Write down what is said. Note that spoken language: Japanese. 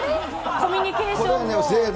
コミュニケーションも。